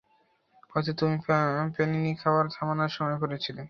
হয়তো তুমি প্যানিনি খাওয়া থামানোর সময় পড়েছিল।